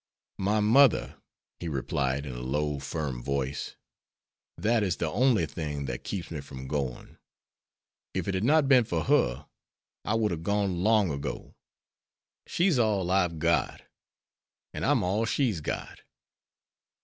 "My mother," he replied, in a low, firm voice. "That is the only thing that keeps me from going. If it had not been for her, I would have gone long ago. She's all I've got, an' I'm all she's got."